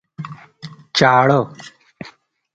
چاړه